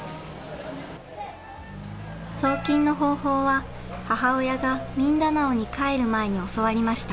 送金の方法は母親がミンダナオに帰る前に教わりました。